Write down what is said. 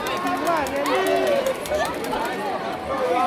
Kiwakeen chelelei ak kelu chebo tany